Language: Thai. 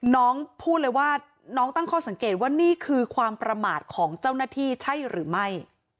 น้องพูดเลยว่าน้องตั้งข้อสังเกตว่านี่คือความประมาทของเจ้าหน้าที่ใช่หรือไม่